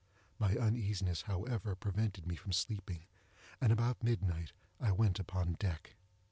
My uneasiness, however, prevented me from sleeping, and about midnight I went upon deck.